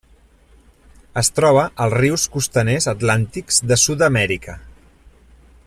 Es troba als rius costaners atlàntics de Sud-amèrica.